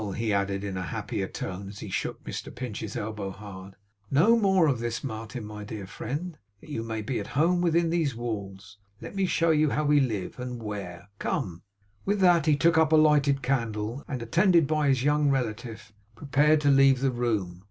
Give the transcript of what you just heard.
he added in a happier tone, as he shook Mr Pinch's elbow hard. 'No more of this! Martin, my dear friend, that you may be at home within these walls, let me show you how we live, and where. Come!' With that he took up a lighted candle, and, attended by his young relative, prepared to leave the room.